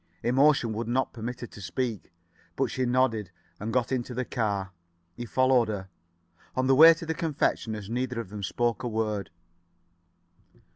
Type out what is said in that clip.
Emotion would not permit her to speak. But she nodded and got into the car. He followed her. On the way to the confectioner's neither of them spoke a word.